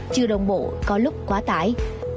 chưa đồng bộ có lúc quá tải